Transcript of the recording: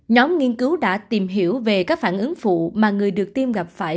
nhóm nghiên cứu đã tìm hiểu về các phản ứng phụ mà người được tiêm gặp phải